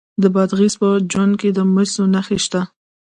د بادغیس په جوند کې د مسو نښې شته.